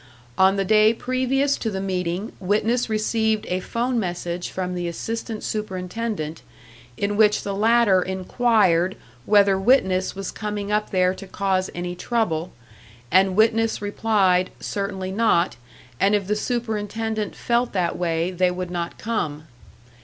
On the day previous to the meeting witness received a 'phone message from the assistant superintendent, in which the latter inquired whether witness was coming up there to cause any trouble, and witness replied, certainly not, and if the superintendent felt that way they would not come.